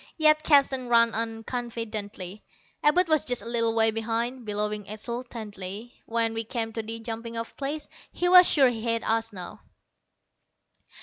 Yet Keston ran on confidently. Abud was just a little way behind, bellowing exultantly, when we came to the jumping off place. He was sure he had us now.